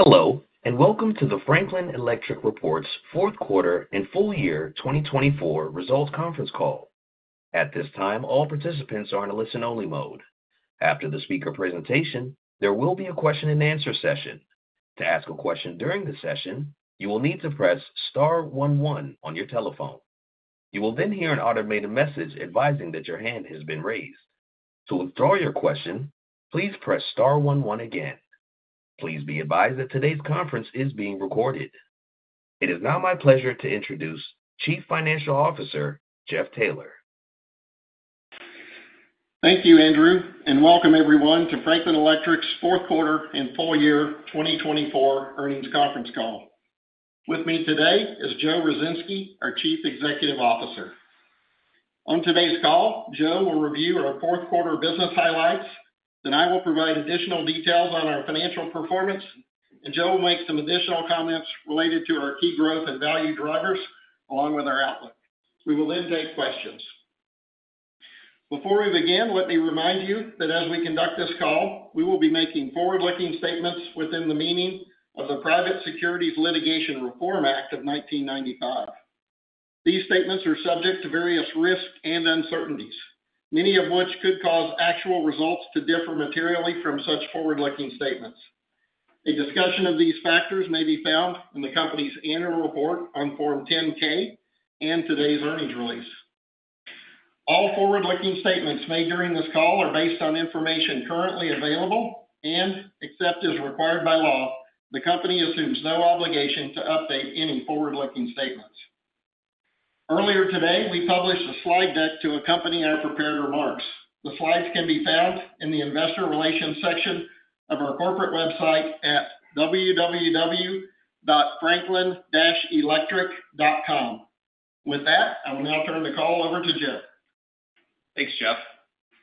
Hello, and welcome to the Franklin Electric's fourth quarter and Full Year 2024 Results Conference Call. At this time, all participants are in a listen-only mode. After the speaker presentation, there will be a question-and-answer session. To ask a question during the session, you will need to press star 11 on your telephone. You will then hear an automated message advising that your hand has been raised. To withdraw your question, please press star 11 again. Please be advised that today's conference is being recorded. It is now my pleasure to introduce Chief Financial Officer Jeff Taylor. Thank you, Andrew, and welcome everyone to Franklin Electric's fourth quarter and full year 2024 Earnings Conference Call. With me today is Joe Ruzynski, our Chief Executive Officer. On today's call, Joe will review our fourth quarter business highlights. Then I will provide additional details on our financial performance, and Joe will make some additional comments related to our key growth and value drivers, along with our outlook. We will then take questions. Before we begin, let me remind you that as we conduct this call, we will be making forward-looking statements within the meaning of the Private Securities Litigation Reform Act of 1995. These statements are subject to various risks and uncertainties, many of which could cause actual results to differ materially from such forward-looking statements. A discussion of these factors may be found in the company's annual report on Form 10-K and today's earnings release. All forward-looking statements made during this call are based on information currently available and, except as required by law, the company assumes no obligation to update any forward-looking statements. Earlier today, we published a slide deck to accompany our prepared remarks. The slides can be found in the investor relations section of our corporate website at www.franklin-electric.com. With that, I will now turn the call over to Joe. Thanks, Jeff.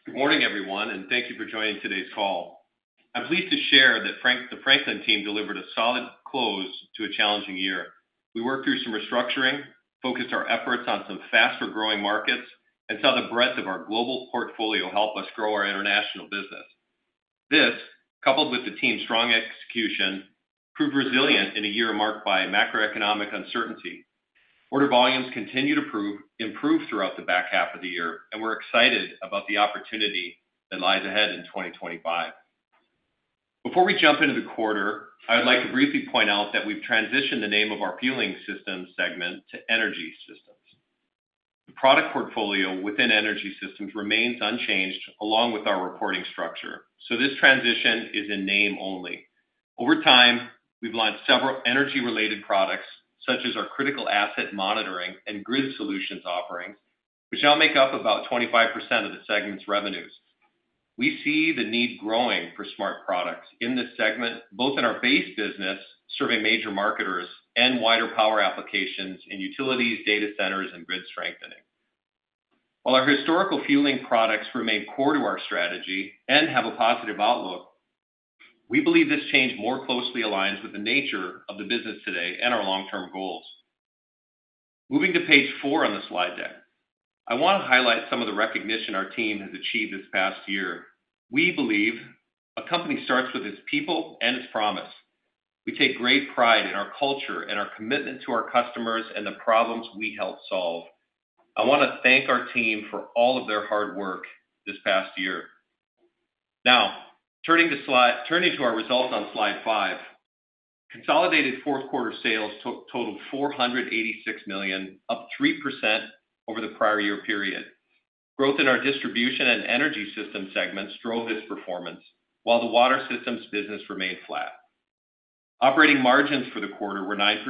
Good morning, everyone, and thank you for joining today's call. I'm pleased to share that the Franklin team delivered a solid close to a challenging year. We worked through some restructuring, focused our efforts on some faster-growing markets, and saw the breadth of our global portfolio help us grow our international business. This, coupled with the team's strong execution, proved resilient in a year marked by macroeconomic uncertainty. Order volumes continue to improve throughout the back half of the year, and we're excited about the opportunity that lies ahead in 2025. Before we jump into the quarter, I would like to briefly point out that we've transitioned the name of our Fueling Systems segment to Energy Systems. The product portfolio within Energy Systems remains unchanged along with our reporting structure, so this transition is in name only. Over time, we've launched several energy-related products, such as our critical asset monitoring and grid solutions offerings, which now make up about 25% of the segment's revenues. We see the need growing for smart products in this segment, both in our base business serving major marketers and wider power applications in utilities, data centers, and grid strengthening. While our historical fueling products remain core to our strategy and have a positive outlook, we believe this change more closely aligns with the nature of the business today and our long-term goals. Moving to page four on the slide deck, I want to highlight some of the recognition our team has achieved this past year. We believe a company starts with its people and its promise. We take great pride in our culture and our commitment to our customers and the problems we help solve. I want to thank our team for all of their hard work this past year. Now, turning to our results on slide five, consolidated fourth quarter sales totaled $486 million, up 3% over the prior year period. Growth in our distribution and energy systems segments drove this performance, while the Water Systems business remained flat. Operating margins for the quarter were 9%,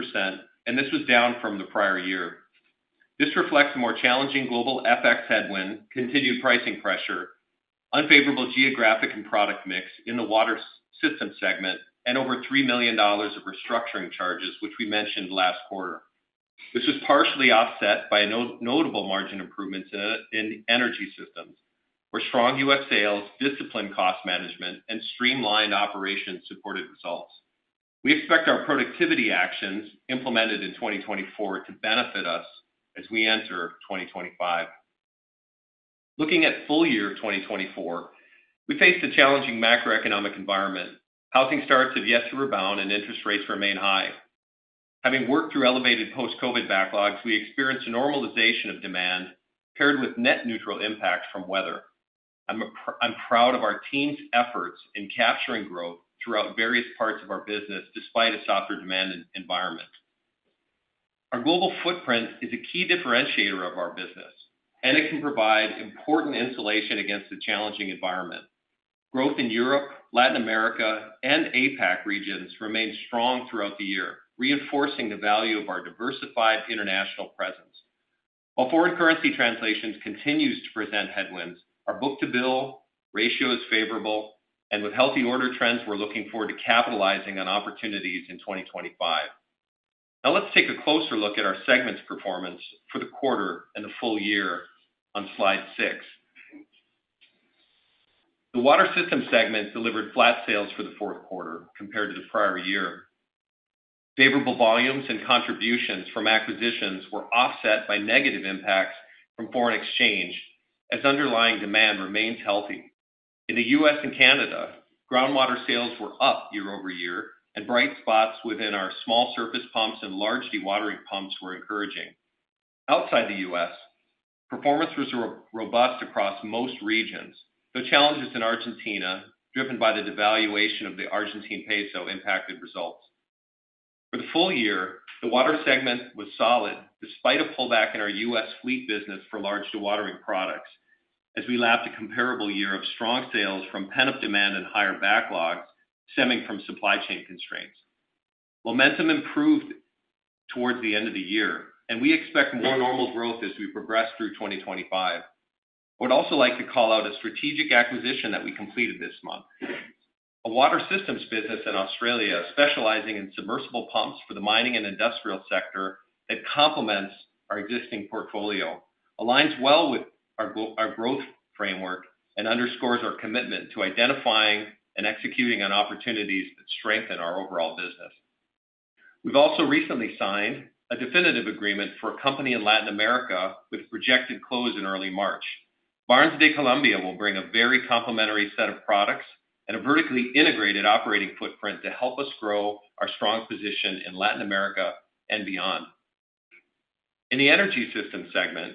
and this was down from the prior year. This reflects a more challenging global FX headwind, continued pricing pressure, unfavorable geographic and product mix in the Water Systems segment, and over $3 million of restructuring charges, which we mentioned last quarter. This was partially offset by notable margin improvements in energy systems, where strong U.S. sales, disciplined cost management, and streamlined operations supported results. We expect our productivity actions implemented in 2024 to benefit us as we enter 2025. Looking at full year 2024, we face a challenging macroeconomic environment. Housing starts have yet to rebound, and interest rates remain high. Having worked through elevated post-COVID backlogs, we experienced a normalization of demand paired with net neutral impacts from weather. I'm proud of our team's efforts in capturing growth throughout various parts of our business despite a softer demand environment. Our global footprint is a key differentiator of our business, and it can provide important insulation against a challenging environment. Growth in Europe, Latin America, and APAC regions remained strong throughout the year, reinforcing the value of our diversified international presence. While foreign currency translations continue to present headwinds, our book-to-bill ratio is favorable, and with healthy order trends, we're looking forward to capitalizing on opportunities in 2025. Now, let's take a closer look at our segment's performance for the quarter and the full year on slide six. The water systems segment delivered flat sales for the fourth quarter compared to the prior year. Favorable volumes and contributions from acquisitions were offset by negative impacts from foreign exchange, as underlying demand remains healthy. In the U.S. and Canada, groundwater sales were up year over year, and bright spots within our small surface pumps and large dewatering pumps were encouraging. Outside the U.S., performance was robust across most regions, though challenges in Argentina driven by the devaluation of the Argentine peso impacted results. For the full year, the water segment was solid despite a pullback in our U.S. fleet business for large dewatering products, as we lapped a comparable year of strong sales from pent-up demand and higher backlogs stemming from supply chain constraints. Momentum improved towards the end of the year, and we expect more normal growth as we progress through 2025. I would also like to call out a strategic acquisition that we completed this month. A water systems business in Australia specializing in submersible pumps for the mining and industrial sector that complements our existing portfolio aligns well with our growth framework and underscores our commitment to identifying and executing on opportunities that strengthen our overall business. We've also recently signed a definitive agreement for a company in Latin America with projected close in early March. Barnes de Colombia will bring a very complementary set of products and a vertically integrated operating footprint to help us grow our strong position in Latin America and beyond. In the energy systems segment,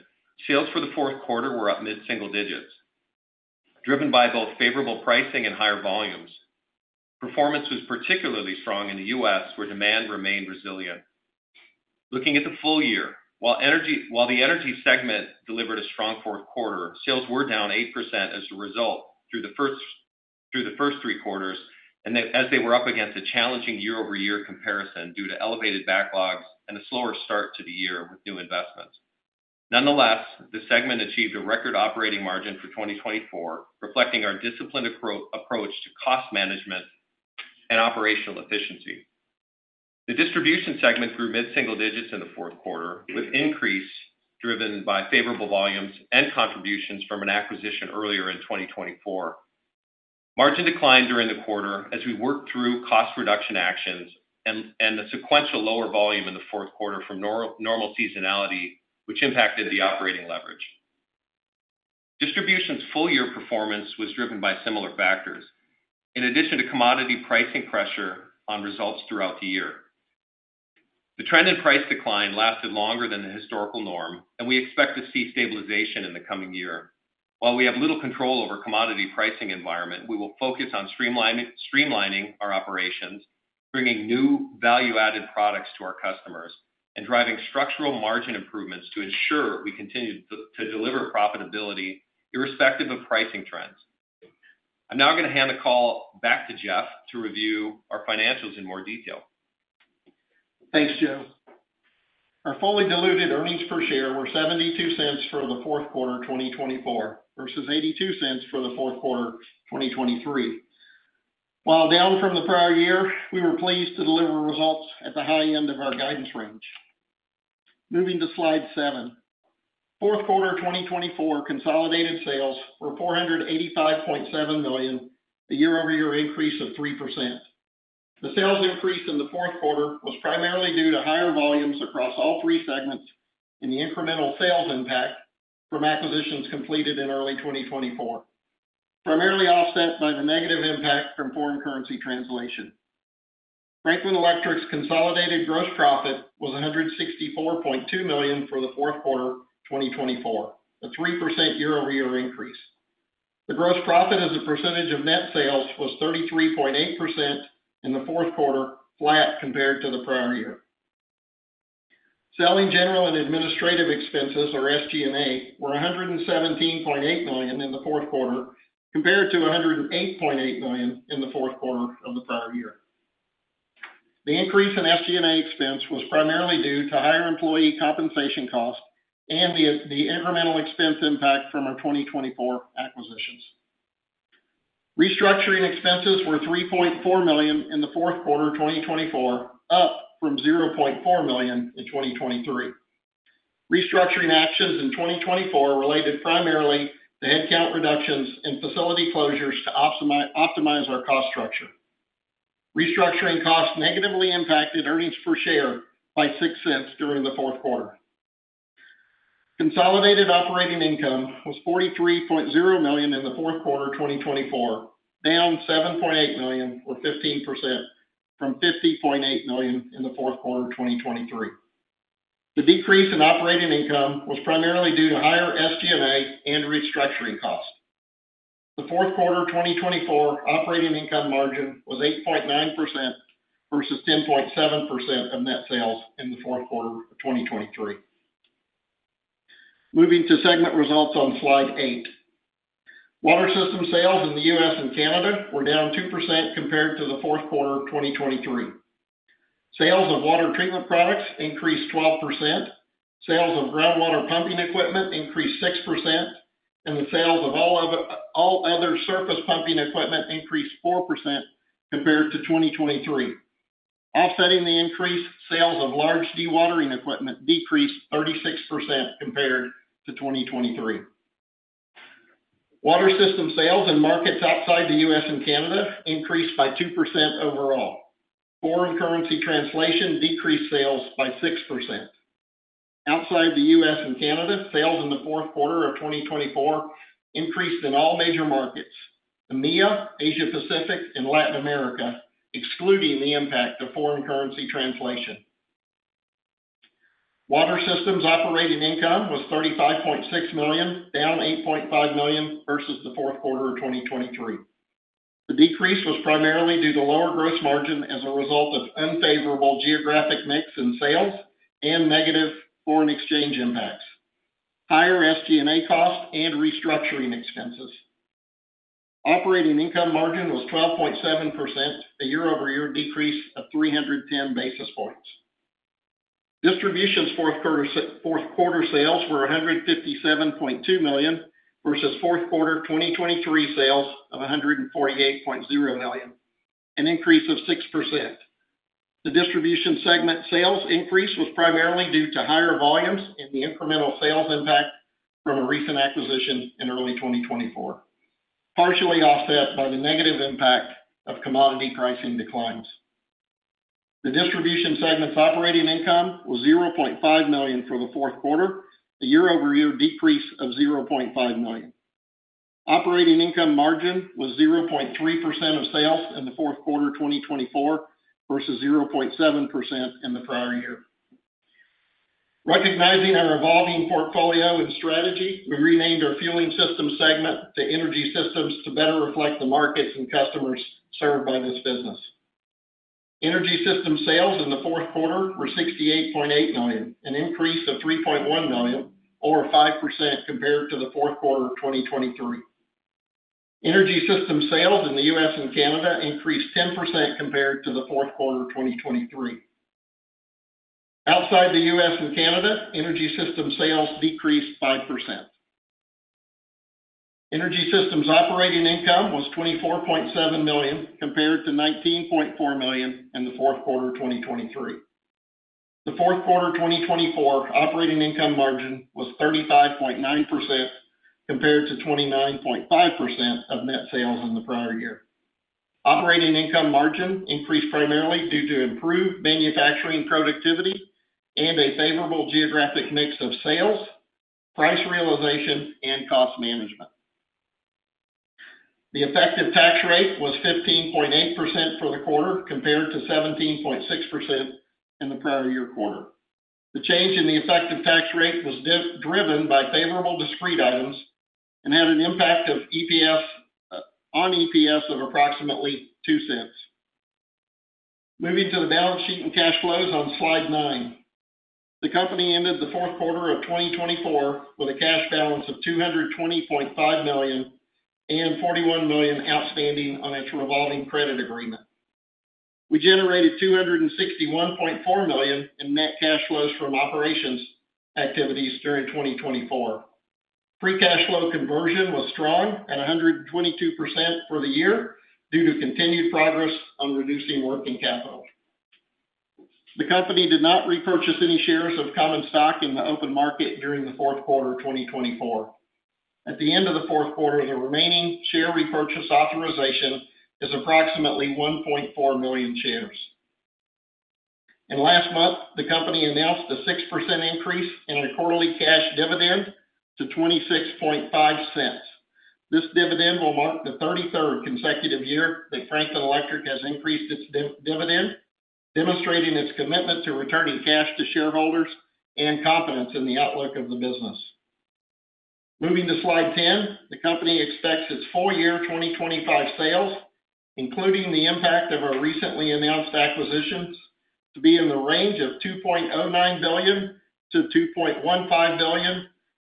sales for the fourth quarter were up mid-single digits, driven by both favorable pricing and higher volumes. Performance was particularly strong in the U.S., where demand remained resilient. Looking at the full year, while the energy segment delivered a strong fourth quarter, sales were down 8% as a result through the first three quarters, as they were up against a challenging year-over-year comparison due to elevated backlogs and a slower start to the year with new investments. Nonetheless, the segment achieved a record operating margin for 2024, reflecting our disciplined approach to cost management and operational efficiency. The distribution segment grew mid-single digits in the fourth quarter, with increase driven by favorable volumes and contributions from an acquisition earlier in 2024. Margin declined during the quarter as we worked through cost reduction actions and the sequential lower volume in the fourth quarter from normal seasonality, which impacted the operating leverage. Distribution's full-year performance was driven by similar factors, in addition to commodity pricing pressure on results throughout the year. The trend in price decline lasted longer than the historical norm, and we expect to see stabilization in the coming year. While we have little control over the commodity pricing environment, we will focus on streamlining our operations, bringing new value-added products to our customers, and driving structural margin improvements to ensure we continue to deliver profitability irrespective of pricing trends. I'm now going to hand the call back to Jeff to review our financials in more detail. Thanks, Joe. Our fully diluted earnings per share were $0.72 for the fourth quarter 2024 versus $0.82 for the fourth quarter 2023. While down from the prior year, we were pleased to deliver results at the high end of our guidance range. Moving to slide seven, fourth quarter 2024 consolidated sales were $485.7 million, a year-over-year increase of 3%. The sales increase in the fourth quarter was primarily due to higher volumes across all three segments and the incremental sales impact from acquisitions completed in early 2024, primarily offset by the negative impact from foreign currency translation. Franklin Electric's consolidated gross profit was $164.2 million for the fourth quarter 2024, a 3% year-over-year increase. The gross profit as a percentage of net sales was 33.8% in the fourth quarter, flat compared to the prior year. Selling, general and administrative expenses, or SG&A, were $117.8 million in the fourth quarter, compared to $108.8 million in the fourth quarter of the prior year. The increase in SG&A expense was primarily due to higher employee compensation costs and the incremental expense impact from our 2024 acquisitions. Restructuring expenses were $3.4 million in the fourth quarter 2024, up from $0.4 million in 2023. Restructuring actions in 2024 related primarily to headcount reductions and facility closures to optimize our cost structure. Restructuring costs negatively impacted earnings per share by $0.06 during the fourth quarter. Consolidated operating income was $43.0 million in the fourth quarter 2024, down $7.8 million, or 15%, from $50.8 million in the fourth quarter 2023. The decrease in operating income was primarily due to higher SG&A and restructuring costs. The fourth quarter 2024 operating income margin was 8.9% versus 10.7% of net sales in the fourth quarter of 2023. Moving to segment results on slide eight, water system sales in the U.S. and Canada were down 2% compared to the fourth quarter 2023. Sales of water treatment products increased 12%, sales of groundwater pumping equipment increased 6%, and the sales of all other surface pumping equipment increased 4% compared to 2023. Offsetting the increase, sales of large dewatering equipment decreased 36% compared to 2023. Water system sales in markets outside the U.S. and Canada increased by 2% overall. Foreign currency translation decreased sales by 6%. Outside the U.S. and Canada, sales in the fourth quarter of 2024 increased in all major markets, EMEA, Asia-Pacific, and Latin America, excluding the impact of foreign currency translation. Water Systems operating income was $35.6 million, down $8.5 million versus the fourth quarter of 2023. The decrease was primarily due to lower gross margin as a result of unfavorable geographic mix in sales and negative foreign exchange impacts, higher SG&A costs, and restructuring expenses. Operating income margin was 12.7%, a year-over-year decrease of 310 basis points. Distribution's fourth quarter sales were $157.2 million versus fourth quarter 2023 sales of $148.0 million, an increase of 6%. The Distribution segment sales increase was primarily due to higher volumes and the incremental sales impact from a recent acquisition in early 2024, partially offset by the negative impact of commodity pricing declines. The Distribution segment's operating income was $0.5 million for the fourth quarter, a year-over-year decrease of $0.5 million. Operating income margin was 0.3% of sales in the fourth quarter 2024 versus 0.7% in the prior year. Recognizing our evolving portfolio and strategy, we renamed our Fueling Systems segment to Energy Systems to better reflect the markets and customers served by this business. Energy Systems sales in the fourth quarter were $68.8 million, an increase of $3.1 million, or 5% compared to the fourth quarter of 2023. Energy Systems sales in the U.S. and Canada increased 10% compared to the fourth quarter of 2023. Outside the U.S. and Canada, Energy Systems sales decreased 5%. Energy Systems operating income was $24.7 million compared to $19.4 million in the fourth quarter 2023. The fourth quarter 2024 operating income margin was 35.9% compared to 29.5% of net sales in the prior year. Operating income margin increased primarily due to improved manufacturing productivity and a favorable geographic mix of sales, price realization, and cost management. The effective tax rate was 15.8% for the quarter compared to 17.6% in the prior year quarter. The change in the effective tax rate was driven by favorable discrete items and had an impact on EPS of approximately $0.02. Moving to the balance sheet and cash flows on slide nine, the company ended the fourth quarter of 2024 with a cash balance of $220.5 million and $41 million outstanding on its revolving credit agreement. We generated $261.4 million in net cash flows from operating activities during 2024. Free cash flow conversion was strong at 122% for the year due to continued progress on reducing working capital. The company did not repurchase any shares of common stock in the open market during the fourth quarter 2024. At the end of the fourth quarter, the remaining share repurchase authorization is approximately 1.4 million shares. Last month, the company announced a 6% increase in a quarterly cash dividend to $0.265. This dividend will mark the 33rd consecutive year that Franklin Electric has increased its dividend, demonstrating its commitment to returning cash to shareholders and confidence in the outlook of the business. Moving to slide 10, the company expects its full year 2025 sales, including the impact of our recently announced acquisitions, to be in the range of $2.09-$2.15 billion,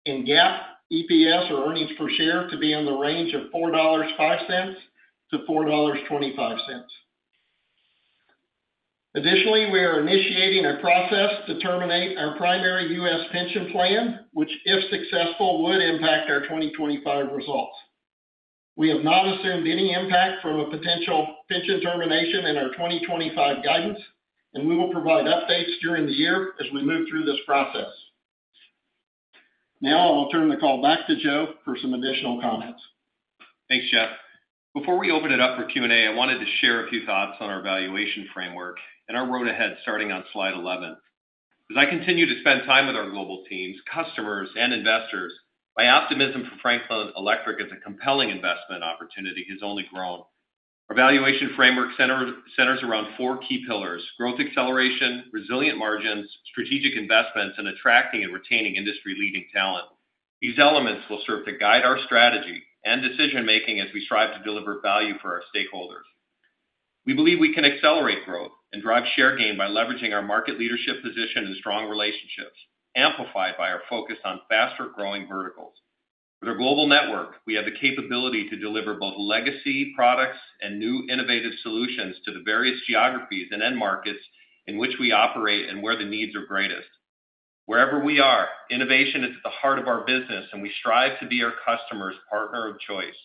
and GAAP EPS or earnings per share to be in the range of $4.05-$4.25. Additionally, we are initiating a process to terminate our primary U.S. pension plan, which, if successful, would impact our 2025 results. We have not assumed any impact from a potential pension termination in our 2025 guidance, and we will provide updates during the year as we move through this process. Now I will turn the call back to Joe for some additional comments. Thanks, Jeff. Before we open it up for Q&A, I wanted to share a few thoughts on our valuation framework and our road ahead starting on slide 11. As I continue to spend time with our global teams, customers, and investors, my optimism for Franklin Electric as a compelling investment opportunity has only grown. Our valuation framework centers around four key pillars: growth acceleration, resilient margins, strategic investments, and attracting and retaining industry-leading talent. These elements will serve to guide our strategy and decision-making as we strive to deliver value for our stakeholders. We believe we can accelerate growth and drive share gain by leveraging our market leadership position and strong relationships, amplified by our focus on faster-growing verticals. With our global network, we have the capability to deliver both legacy products and new innovative solutions to the various geographies and end markets in which we operate and where the needs are greatest. Wherever we are, innovation is at the heart of our business, and we strive to be our customer's partner of choice.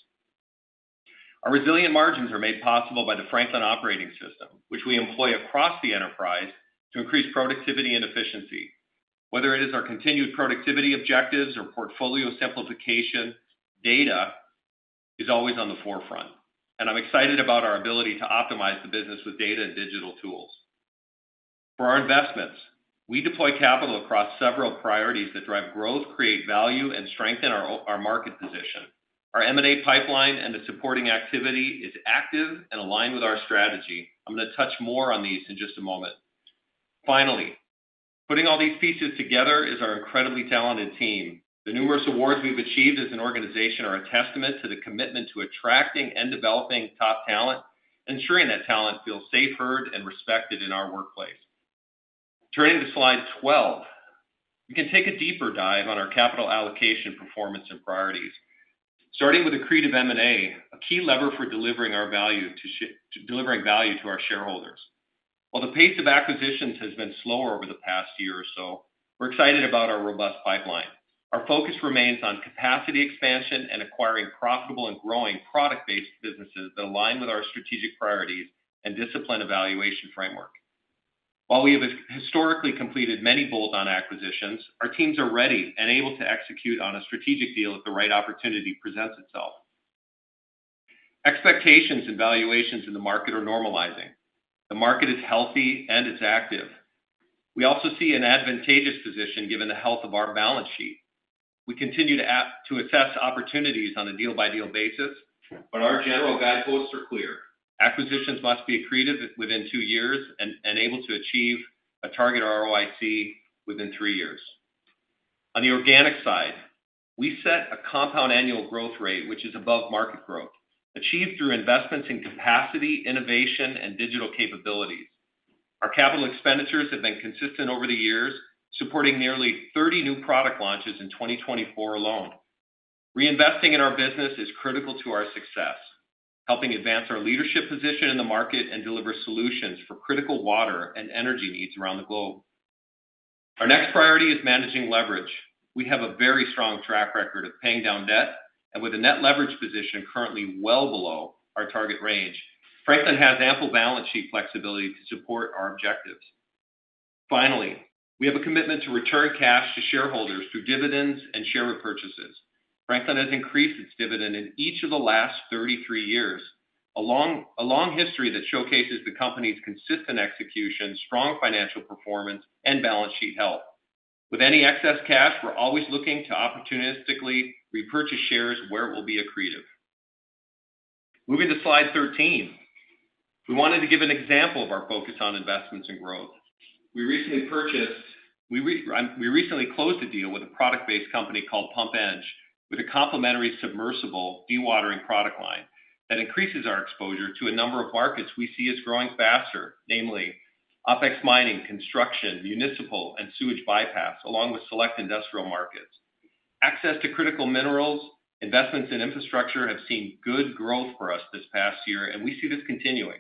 Our resilient margins are made possible by the Franklin Operating System, which we employ across the enterprise to increase productivity and efficiency. Whether it is our continued productivity objectives or portfolio simplification, data is always on the forefront, and I'm excited about our ability to optimize the business with data and digital tools. For our investments, we deploy capital across several priorities that drive growth, create value, and strengthen our market position. Our M&A pipeline and the supporting activity is active and aligned with our strategy. I'm going to touch more on these in just a moment. Finally, putting all these pieces together is our incredibly talented team. The numerous awards we've achieved as an organization are a testament to the commitment to attracting and developing top talent, ensuring that talent feels safe, heard, and respected in our workplace. Turning to slide 12, we can take a deeper dive on our capital allocation performance and priorities, starting with the creative M&A, a key lever for delivering value to our shareholders. While the pace of acquisitions has been slower over the past year or so, we're excited about our robust pipeline. Our focus remains on capacity expansion and acquiring profitable and growing product-based businesses that align with our strategic priorities and discipline evaluation framework. While we have historically completed many bolt-on acquisitions, our teams are ready and able to execute on a strategic deal if the right opportunity presents itself. Expectations and valuations in the market are normalizing. The market is healthy and it's active. We also see an advantageous position given the health of our balance sheet. We continue to assess opportunities on a deal-by-deal basis, but our general guideposts are clear. Acquisitions must be accretive within two years and able to achieve a target ROIC within three years. On the organic side, we set a compound annual growth rate, which is above market growth, achieved through investments in capacity, innovation, and digital capabilities. Our capital expenditures have been consistent over the years, supporting nearly 30 new product launches in 2024 alone. Reinvesting in our business is critical to our success, helping advance our leadership position in the market and deliver solutions for critical water and energy needs around the globe. Our next priority is managing leverage. We have a very strong track record of paying down debt and with a net leverage position currently well below our target range, Franklin has ample balance sheet flexibility to support our objectives. Finally, we have a commitment to return cash to shareholders through dividends and share repurchases. Franklin has increased its dividend in each of the last 33 years, a long history that showcases the company's consistent execution, strong financial performance, and balance sheet health. With any excess cash, we're always looking to opportunistically repurchase shares where it will be accretive. Moving to slide 13, we wanted to give an example of our focus on investments and growth. We recently closed a deal with a product-based company called PumpEdge with a complementary submersible dewatering product line that increases our exposure to a number of markets we see as growing faster, namely OPEX mining, construction, municipal, and sewage bypass, along with select industrial markets. Access to critical minerals, investments in infrastructure have seen good growth for us this past year, and we see this continuing.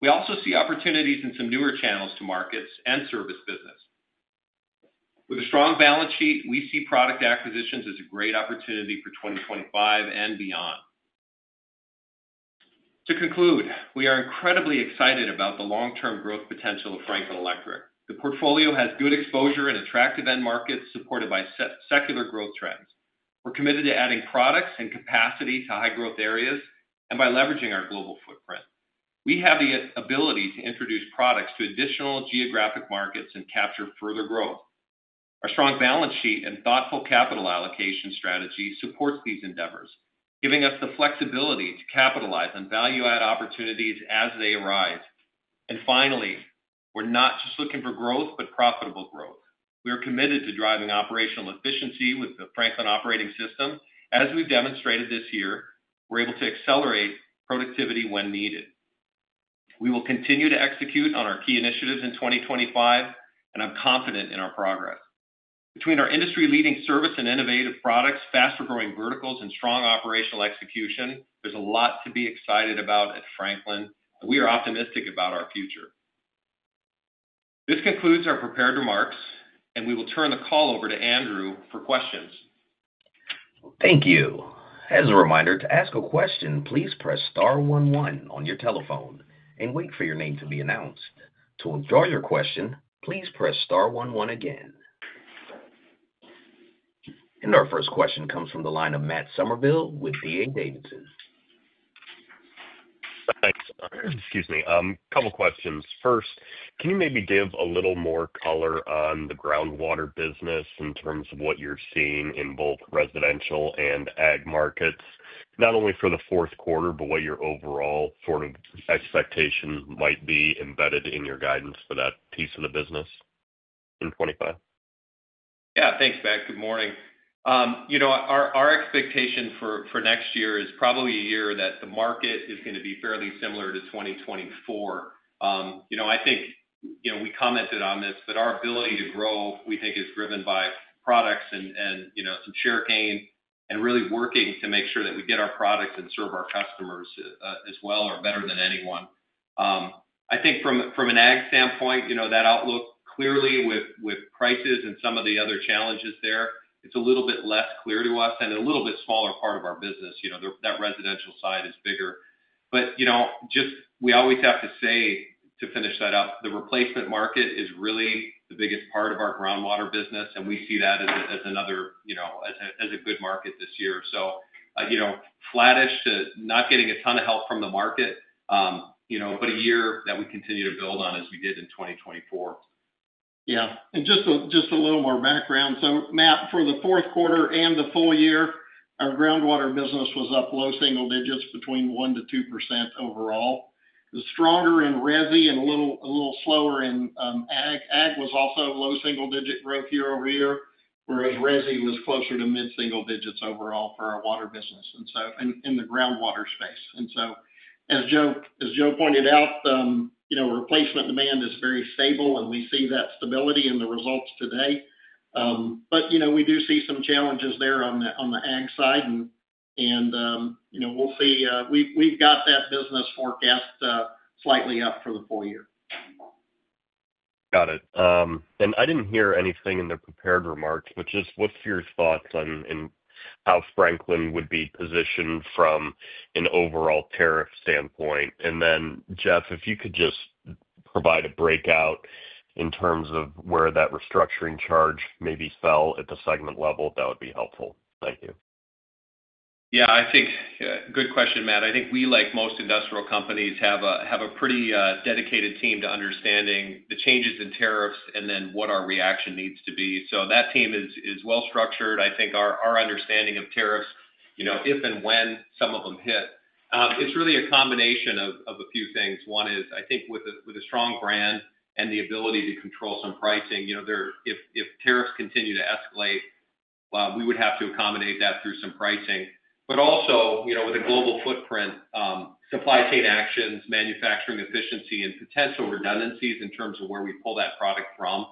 We also see opportunities in some newer channels to markets and service business. With a strong balance sheet, we see product acquisitions as a great opportunity for 2025 and beyond. To conclude, we are incredibly excited about the long-term growth potential of Franklin Electric. The portfolio has good exposure in attractive end markets supported by secular growth trends. We're committed to adding products and capacity to high-growth areas and by leveraging our global footprint. We have the ability to introduce products to additional geographic markets and capture further growth. Our strong balance sheet and thoughtful capital allocation strategy supports these endeavors, giving us the flexibility to capitalize on value-add opportunities as they arise, and finally, we're not just looking for growth, but profitable growth. We are committed to driving operational efficiency with the Franklin Operating System. As we've demonstrated this year, we're able to accelerate productivity when needed. We will continue to execute on our key initiatives in 2025, and I'm confident in our progress. Between our industry-leading service and innovative products, faster-growing verticals, and strong operational execution, there's a lot to be excited about at Franklin, and we are optimistic about our future. This concludes our prepared remarks, and we will turn the call over to Andrew for questions. Thank you. As a reminder, to ask a question, please press star 11 on your telephone and wait for your name to be announced. To withdraw your question, please press star 11 again. And our first question comes from the line of Matt Summerville with D.A. Davidson. Thanks. Excuse me. A couple of questions. First, can you maybe give a little more color on the groundwater business in terms of what you're seeing in both residential and ag markets, not only for the fourth quarter, but what your overall sort of expectation might be embedded in your guidance for that piece of the business in 2025? Yeah. Thanks, Matt. Good morning. You know, our expectation for next year is probably a year that the market is going to be fairly similar to 2024. You know, I think we commented on this, but our ability to grow, we think, is driven by products and some share gain and really working to make sure that we get our products and serve our customers as well or better than anyone. I think from an ag standpoint, you know, that outlook clearly with prices and some of the other challenges there, it's a little bit less clear to us and a little bit smaller part of our business. You know, that residential side is bigger. But, you know, just we always have to say, to finish that up, the replacement market is really the biggest part of our groundwater business, and we see that as another, you know, as a good market this year. So, you know, flattish to not getting a ton of help from the market, you know, but a year that we continue to build on as we did in 2024. Yeah. And just a little more background. So, Matt, for the fourth quarter and the full year, our groundwater business was up low single digits between 1% - 2% overall. It was stronger in Resi and a little slower in ag. Ag was also low single-digit growth year over year, whereas Resi was closer to mid-single digits overall for our water business and so in the groundwater space. And so, as Joe pointed out, you know, replacement demand is very stable, and we see that stability in the results today. But, you know, we do see some challenges there on the ag side, and, you know, we'll see we've got that business forecast slightly up for the full year. Got it. And I didn't hear anything in the prepared remarks, but just what's your thoughts on how Franklin would be positioned from an overall tariff standpoint? And then, Jeff, if you could just provide a breakout in terms of where that restructuring charge maybe fell at the segment level, that would be helpful. Thank you. Yeah. I think good question, Matt. I think we, like most industrial companies, have a pretty dedicated team to understanding the changes in tariffs and then what our reaction needs to be. So that team is well-structured. I think our understanding of tariffs, you know, if and when some of them hit, it's really a combination of a few things. One is, I think, with a strong brand and the ability to control some pricing, you know, if tariffs continue to escalate, we would have to accommodate that through some pricing. But also, you know, with a global footprint, supply chain actions, manufacturing efficiency, and potential redundancies in terms of where we pull that product from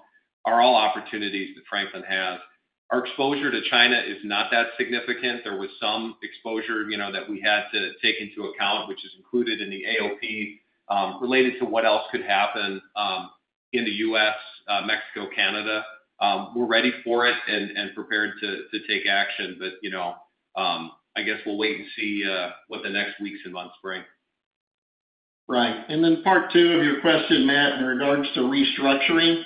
are all opportunities that Franklin has. Our exposure to China is not that significant. There was some exposure, you know, that we had to take into account, which is included in the AOP related to what else could happen in the U.S., Mexico, Canada. We're ready for it and prepared to take action, but, you know, I guess we'll wait and see what the next weeks and months bring. Right. And then part two of your question, Matt, in regards to restructuring,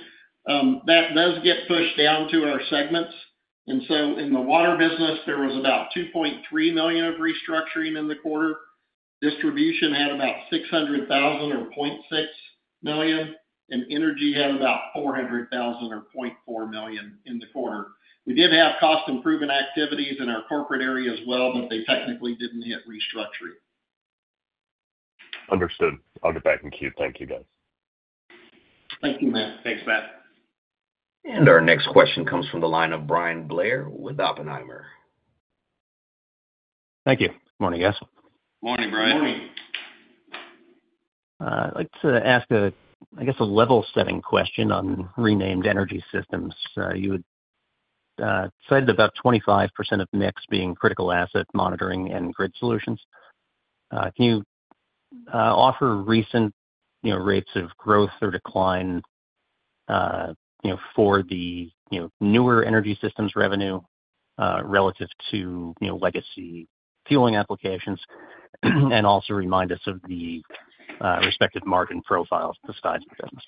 that does get pushed down to our segments. And so, in the water business, there was about $2.3 million of restructuring in the quarter. Distribution had about $600,000 or $0.6 million, and energy had about $400,000 or $0.4 million in the quarter. We did have cost-improvement activities in our corporate area as well, but they technically didn't hit restructuring. Understood. I'll get back in queue. Thank you, guys. Thank you, Matt. Thanks, Matt. And our next question comes from the line of Bryan Blair with Oppenheimer. Thank you. Good morning, guys. Good morning, Bryan. Good morning. I'd like to ask, I guess, a level-setting question on renamed Energy Systems. You had cited about 25% of mix being critical asset monitoring and grid solutions. Can you offer recent rates of growth or decline, you know, for the newer Energy Systems revenue relative to legacy fueling applications and also remind us of the respective margin profiles of the business?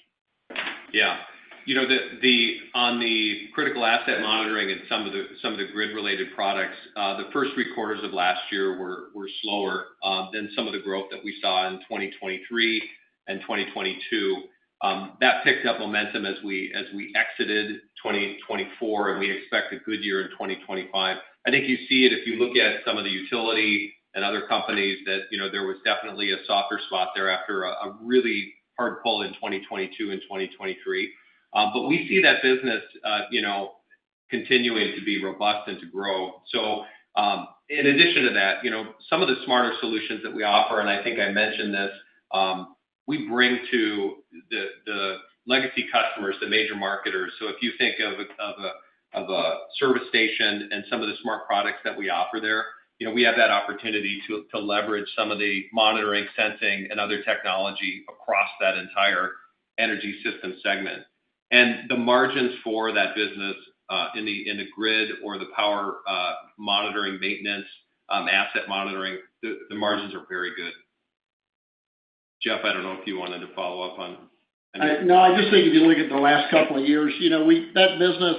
Yeah. You know, on the critical asset monitoring and some of the grid-related products, the first three quarters of last year were slower than some of the growth that we saw in 2023 and 2022. That picked up momentum as we exited 2024, and we expect a good year in 2025. I think you see it if you look at some of the utility and other companies that, you know, there was definitely a softer spot there after a really hard pull in 2022 and 2023. But we see that business, you know, continuing to be robust and to grow. So, in addition to that, you know, some of the smarter solutions that we offer, and I think I mentioned this, we bring to the legacy customers the major marketers. So if you think of a service station and some of the smart products that we offer there, you know, we have that opportunity to leverage some of the monitoring, sensing, and other technology across that entire Energy Systems segment, and the margins for that business in the grid or the power monitoring, maintenance, asset monitoring, the margins are very good. Jeff, I don't know if you wanted to follow up on. No, I just think if you look at the last couple of years, you know, that business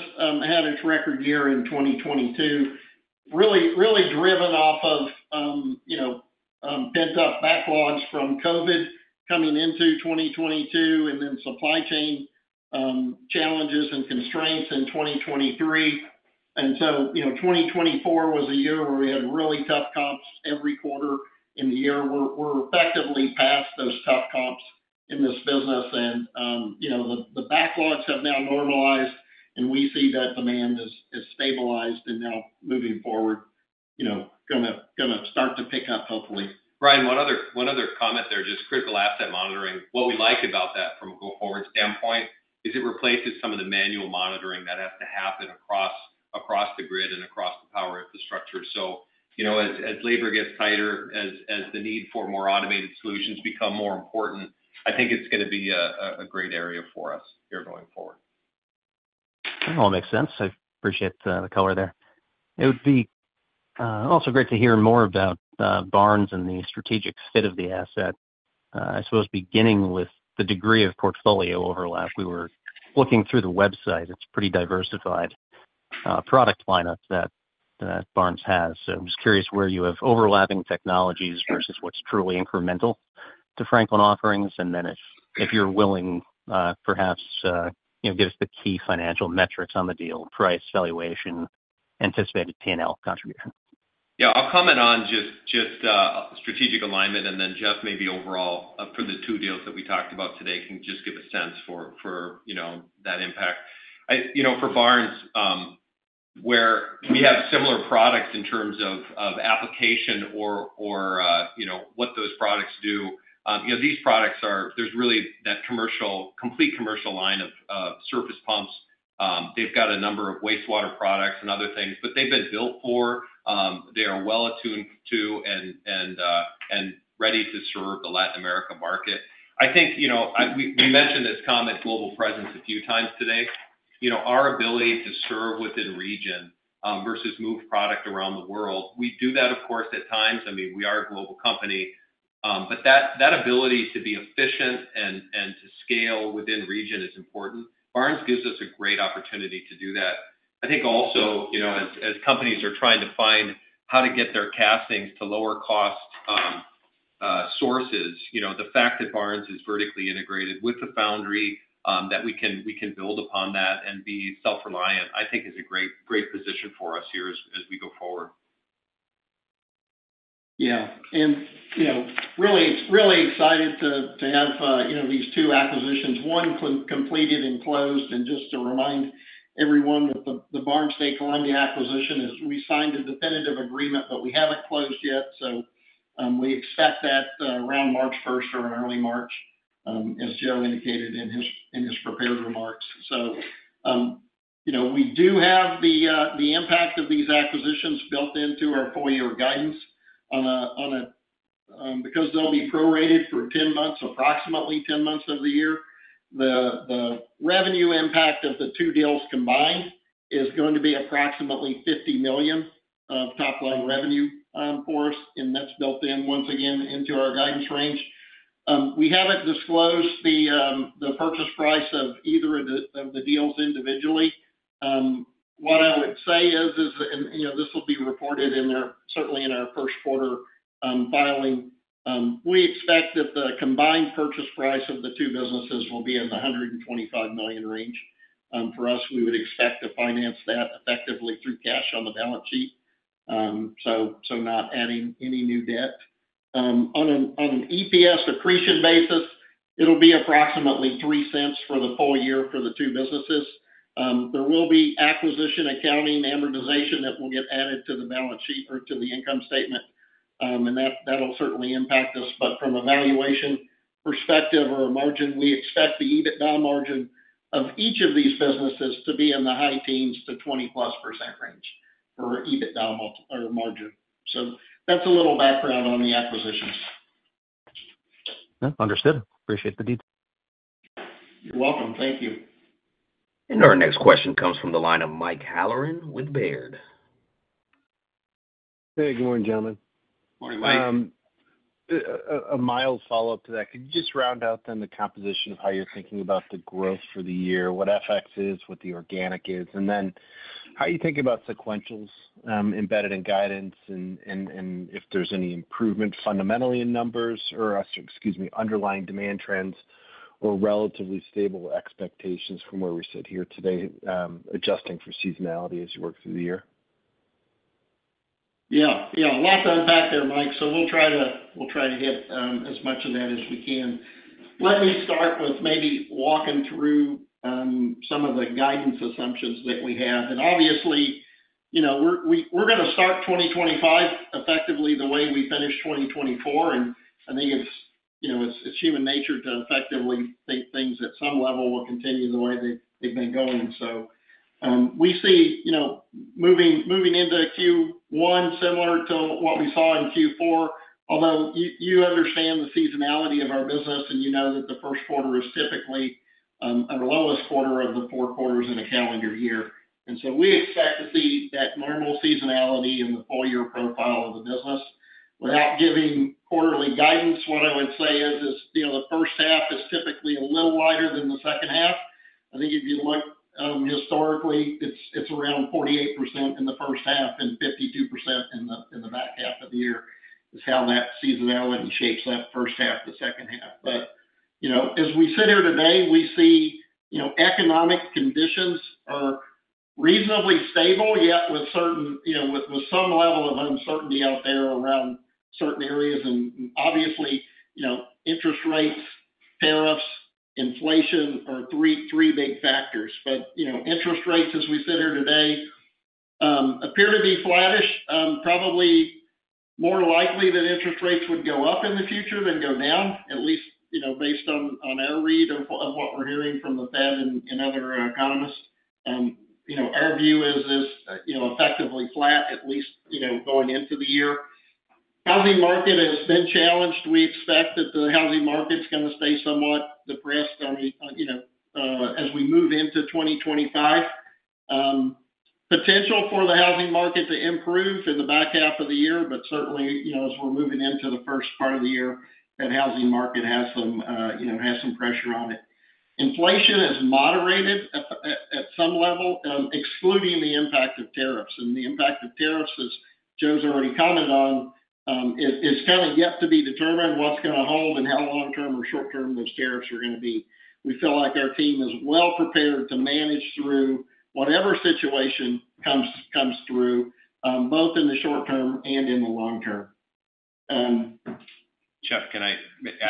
had its record year in 2022, really driven off of, you know, pent-up backlogs from COVID coming into 2022 and then supply chain challenges and constraints in 2023. And so, you know, 2024 was a year where we had really tough comps every quarter in the year. We're effectively past those tough comps in this business, and, you know, the backlogs have now normalized, and we see that demand has stabilized and now moving forward, you know, going to start to pick up hopefully. Brian, one other comment there, just critical asset monitoring. What we like about that from a go-forward standpoint is it replaces some of the manual monitoring that has to happen across the grid and across the power infrastructure. So, you know, as labor gets tighter, as the need for more automated solutions becomes more important, I think it's going to be a great area for us here going forward. All makes sense. I appreciate the color there. It would be also great to hear more about Barnes and the strategic fit of the asset. I suppose beginning with the degree of portfolio overlap, we were looking through the website. It's a pretty diversified product lineup that Barnes has. So I'm just curious where you have overlapping technologies versus what's truly incremental to Franklin offerings, and then if you're willing, perhaps, you know, give us the key financial metrics on the deal: price, valuation, anticipated P&L contribution. Yeah. I'll comment on just strategic alignment, and then Jeff, maybe overall, for the two deals that we talked about today, can just give a sense for, you know, that impact. You know, for Barnes, where we have similar products in terms of application or, you know, what those products do, you know, these products are, there's really that commercial, complete commercial line of surface pumps. They've got a number of wastewater products and other things, but they've been built for. They are well attuned to and ready to serve the Latin America market. I think, you know, we mentioned this comment, global presence a few times today. You know, our ability to serve within region versus move product around the world, we do that, of course, at times. I mean, we are a global company. But that ability to be efficient and to scale within region is important. Barnes gives us a great opportunity to do that. I think also, you know, as companies are trying to find how to get their castings to lower-cost sources, you know, the fact that Barnes is vertically integrated with the foundry, that we can build upon that and be self-reliant, I think, is a great position for us here as we go forward. Yeah. And you know, really, really excited to have you know, these two acquisitions, one completed and closed. Just to remind everyone that the Barnes de Colombia acquisition is we signed a definitive agreement, but we haven't closed yet. We expect that around March 1st or early March, as Joe indicated in his prepared remarks. You know, we do have the impact of these acquisitions built into our full-year guidance on a because they'll be prorated for 10 months, approximately 10 months of the year. The revenue impact of the two deals combined is going to be approximately $50 million of top-line revenue for us, and that's built in, once again, into our guidance range. We haven't disclosed the purchase price of either of the deals individually. What I would say is, and, you know, this will be reported in our, certainly, in our first quarter filing, we expect that the combined purchase price of the two businesses will be in the $125 million range. For us, we would expect to finance that effectively through cash on the balance sheet, so not adding any new debt. On an EPS accretion basis, it'll be approximately $0.03 for the full year for the two businesses. There will be acquisition accounting amortization that will get added to the balance sheet or to the income statement, and that'll certainly impact us. But from a valuation perspective or a margin, we expect the EBITDA margin of each of these businesses to be in the high teens to 20-plus% range for EBITDA margin. So that's a little background on the acquisitions. Understood. Appreciate the detail. You're welcome. Thank you. Our next question comes from the line of Mike Halloran with Baird. Hey, good morning, gentlemen. Morning, Mike. A mild follow-up to that. Could you just round out then the composition of how you're thinking about the growth for the year, what FX is, what the organic is, and then how you think about sequentials embedded in guidance and if there's any improvement fundamentally in numbers or, excuse me, underlying demand trends or relatively stable expectations from where we sit here today, adjusting for seasonality as you work through the year? Yeah. Yeah. Lots of impact there, Mike. So we'll try to get as much of that as we can. Let me start with maybe walking through some of the guidance assumptions that we have. And obviously, you know, we're going to start 2025 effectively the way we finished 2024. And I think it's, you know, it's human nature to effectively think things at some level will continue the way they've been going. So we see, you know, moving into Q1 similar to what we saw in Q4, although you understand the seasonality of our business and you know that the first quarter is typically our lowest quarter of the four quarters in a calendar year. And so we expect to see that normal seasonality in the full-year profile of the business. Without giving quarterly guidance, what I would say is, you know, the first half is typically a little lighter than the second half. I think if you look historically, it's around 48% in the first half and 52% in the back half of the year. That is how that seasonality shapes that first half, the second half. But, you know, as we sit here today, we see, you know, economic conditions are reasonably stable, yet with certain, you know, with some level of uncertainty out there around certain areas. And obviously, you know, interest rates, tariffs, inflation are three big factors. But, you know, interest rates, as we sit here today, appear to be flattish, probably more likely that interest rates would go up in the future than go down, at least, you know, based on our read of what we're hearing from the Fed and other economists. You know, our view is this, you know, effectively flat, at least, you know, going into the year. Housing market has been challenged. We expect that the housing market's going to stay somewhat depressed, you know, as we move into 2025. Potential for the housing market to improve in the back half of the year, but certainly, you know, as we're moving into the first part of the year, that housing market has some, you know, has some pressure on it. Inflation is moderated at some level, excluding the impact of tariffs, and the impact of tariffs, as Joe's already commented on, is kind of yet to be determined what's going to hold and how long-term or short-term those tariffs are going to be. We feel like our team is well prepared to manage through whatever situation comes through, both in the short term and in the long term. Jeff, can I ask?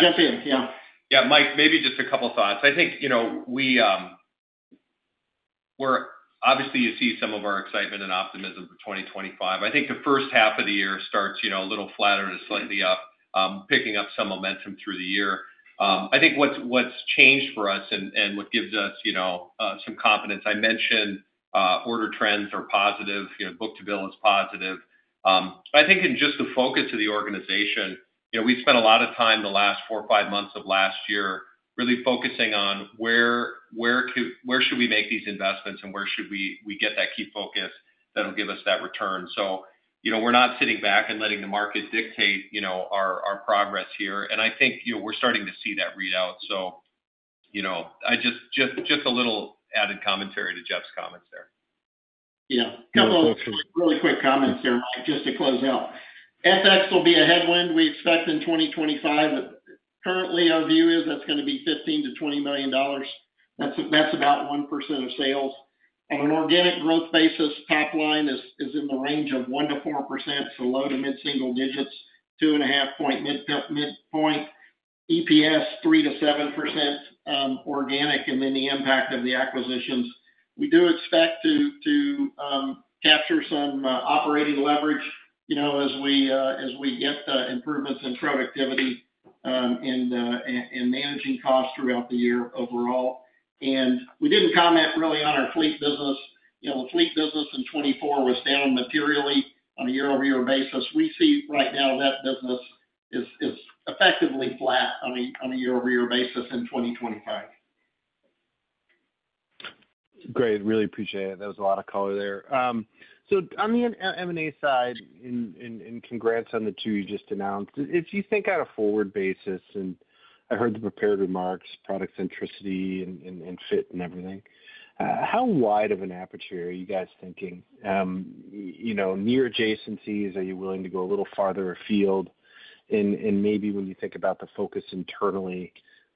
Jeff, yeah. Yeah. Yeah. Mike, maybe just a couple of thoughts. I think, you know, we're obviously, you see some of our excitement and optimism for 2025. I think the first half of the year starts, you know, a little flatter to slightly up, picking up some momentum through the year. I think what's changed for us and what gives us, you know, some confidence. I mentioned order trends are positive. You know, book-to-bill is positive. But I think in just the focus of the organization, you know, we spent a lot of time the last four or five months of last year really focusing on where should we make these investments and where should we get that key focus that'll give us that return. So, you know, we're not sitting back and letting the market dictate, you know, our progress here. And I think, you know, we're starting to see that readout. So, you know, I just a little added commentary to Jeff's comments there. Yeah. A couple of really quick comments here, Mike, just to close out. FX will be a headwind we expect in 2025. Currently, our view is that's going to be $15-$20 million. That's about 1% of sales. On an organic growth basis, top line is in the range of 1-4%, so low to mid-single digits, 2.5-point midpoint. EPS 3-7% organic, and then the impact of the acquisitions. We do expect to capture some operating leverage, you know, as we get improvements in productivity and managing costs throughout the year overall. And we didn't comment really on our fleet business. You know, the fleet business in 2024 was down materially on a year-over-year basis. We see right now that business is effectively flat on a year-over-year basis in 2025. Great. Really appreciate it. That was a lot of color there. So on the M&A side, and congrats on the two you just announced, if you think on a forward basis, and I heard the prepared remarks, product centricity and fit and everything, how wide of an aperture are you guys thinking? You know, near adjacencies, are you willing to go a little farther afield? And maybe when you think about the focus internally,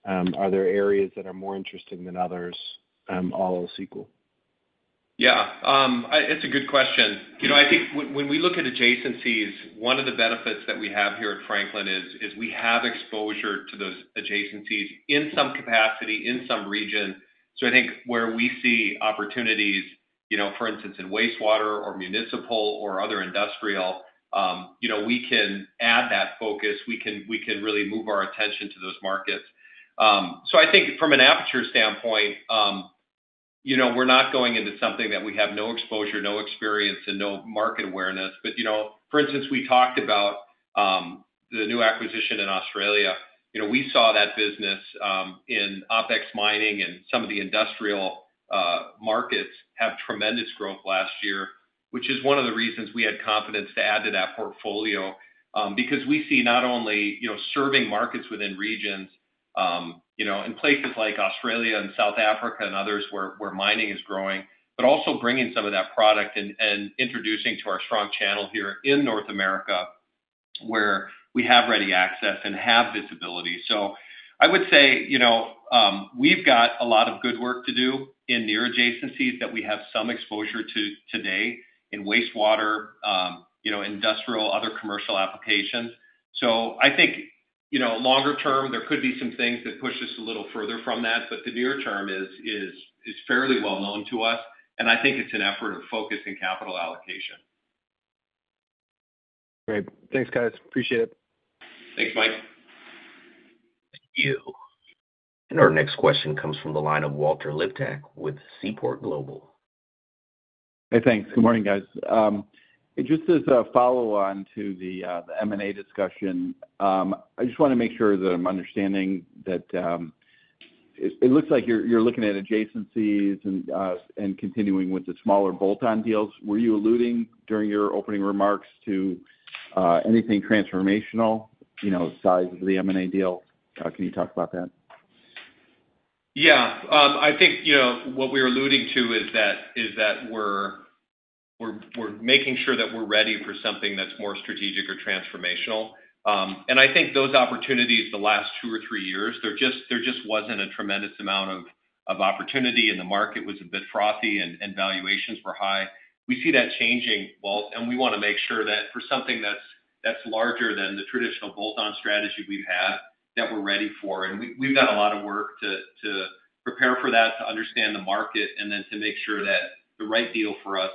are there areas that are more interesting than others all else equal? Yeah. It's a good question. You know, I think when we look at adjacencies, one of the benefits that we have here at Franklin is we have exposure to those adjacencies in some capacity, in some region. So I think where we see opportunities, you know, for instance, in wastewater or municipal or other industrial, you know, we can add that focus. We can really move our attention to those markets. So I think from an aperture standpoint, you know, we're not going into something that we have no exposure, no experience, and no market awareness. But, you know, for instance, we talked about the new acquisition in Australia. You know, we saw that business in OpEx mining and some of the industrial markets have tremendous growth last year, which is one of the reasons we had confidence to add to that portfolio because we see not only, you know, serving markets within regions, you know, in places like Australia and South Africa and others where mining is growing, but also bringing some of that product and introducing to our strong channel here in North America where we have ready access and have visibility. So I would say, you know, we've got a lot of good work to do in near adjacencies that we have some exposure to today in wastewater, you know, industrial, other commercial applications. So I think, you know, longer term, there could be some things that push us a little further from that, but the near term is fairly well known to us. I think it's an effort of focus and capital allocation. Great. Thanks, guys. Appreciate it. Thanks, Mike. Thank you. Our next question comes from the line of Walter Liptak with Seaport Global. Hey, thanks. Good morning, guys. Just as a follow-on to the M&A discussion, I just want to make sure that I'm understanding that it looks like you're looking at adjacencies and continuing with the smaller bolt-on deals. Were you alluding during your opening remarks to anything transformational, you know, size of the M&A deal? Can you talk about that? Yeah. I think, you know, what we're alluding to is that we're making sure that we're ready for something that's more strategic or transformational, and I think those opportunities the last two or three years, there just wasn't a tremendous amount of opportunity and the market was a bit frothy and valuations were high. We see that changing, and we want to make sure that for something that's larger than the traditional bolt-on strategy we've had, that we're ready for, and we've done a lot of work to prepare for that, to understand the market, and then to make sure that the right deal for us,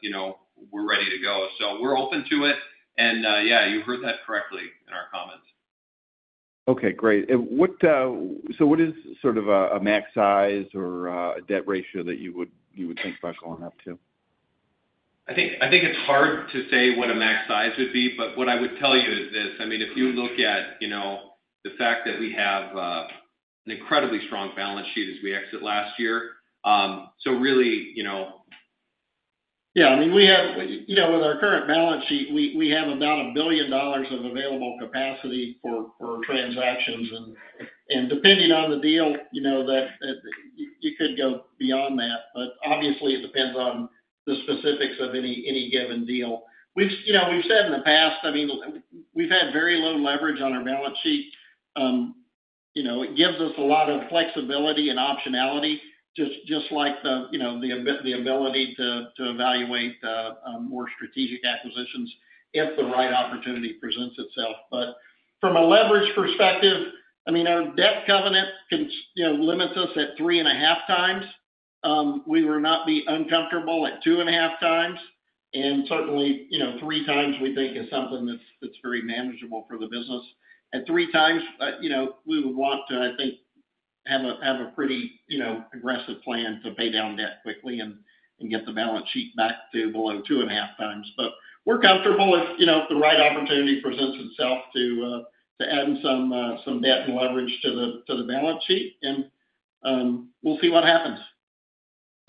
you know, we're ready to go, so we're open to it, and yeah, you heard that correctly in our comments. Okay. Great. So what is sort of a max size or a debt ratio that you would think about going up to? I think it's hard to say what a max size would be, but what I would tell you is this. I mean, if you look at, you know, the fact that we have an incredibly strong balance sheet as we exit last year. So really, you know. Yeah. I mean, we have, you know, with our current balance sheet, we have about $1 billion of available capacity for transactions. And depending on the deal, you know, that you could go beyond that. But obviously, it depends on the specifics of any given deal. You know, we've said in the past, I mean, we've had very low leverage on our balance sheet. You know, it gives us a lot of flexibility and optionality, just like the, you know, the ability to evaluate more strategic acquisitions if the right opportunity presents itself. But from a leverage perspective, I mean, our debt covenant limits us at three and a half times. We will not be uncomfortable at two and a half times. And certainly, you know, three times we think is something that's very manageable for the business. At three times, you know, we would want to, I think, have a pretty, you know, aggressive plan to pay down debt quickly and get the balance sheet back to below two and a half times. But we're comfortable if, you know, the right opportunity presents itself to add some debt and leverage to the balance sheet. And we'll see what happens.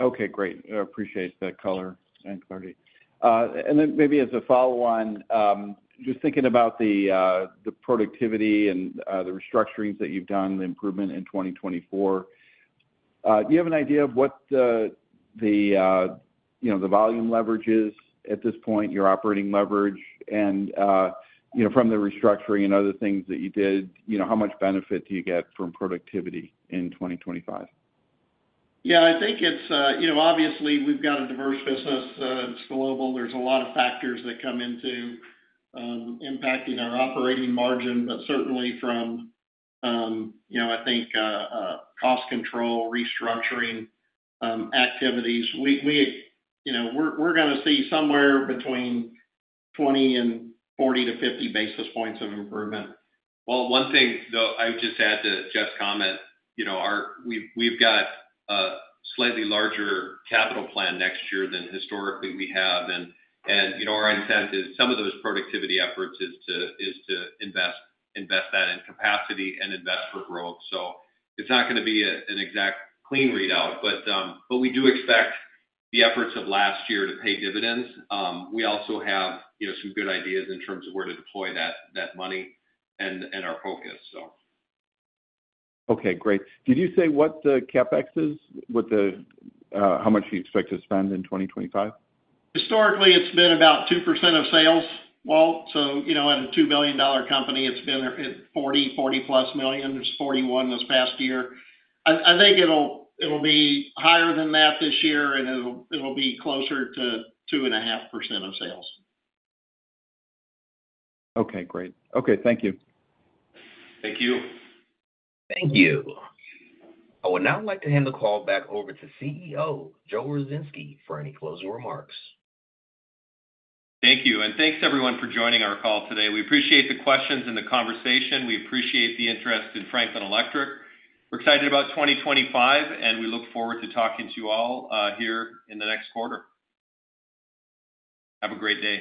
Okay. Great. Appreciate the color and clarity. And then maybe as a follow-on, just thinking about the productivity and the restructurings that you've done, the improvement in 2024, do you have an idea of what the, you know, the volume leverage is at this point, your operating leverage? And, you know, from the restructuring and other things that you did, you know, how much benefit do you get from productivity in 2025? Yeah. I think it's, you know, obviously, we've got a diverse business. It's global. There's a lot of factors that come into impacting our operating margin, but certainly from, you know, I think cost control, restructuring activities. You know, we're going to see somewhere between 20 and 40 to 50 basis points of improvement. One thing I would just add to Jeff's comment, you know, we've got a slightly larger capital plan next year than historically we have. Our intent is some of those productivity efforts is to invest that in capacity and invest for growth. It's not going to be an exact clean readout, but we do expect the efforts of last year to pay dividends. We also have, you know, some good ideas in terms of where to deploy that money and our focus, so. Okay. Great. Did you say what the CapEx is, how much you expect to spend in 2025? Historically, it's been about 2% of sales, Walt. So, you know, at a $2 billion company, it's been at $40, $40-plus million. It was $41 this past year. I think it'll be higher than that this year, and it'll be closer to 2.5% of sales. Okay. Great. Okay. Thank you. Thank you. Thank you. I would now like to hand the call back over to CEO Joe Ruzynski for any closing remarks. Thank you. And thanks, everyone, for joining our call today. We appreciate the questions and the conversation. We appreciate the interest in Franklin Electric. We're excited about 2025, and we look forward to talking to you all here in the next quarter. Have a great day.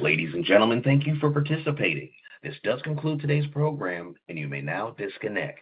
Ladies and gentlemen, thank you for participating. This does conclude today's program, and you may now disconnect.